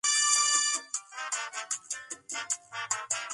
Actualmente juega en Real España.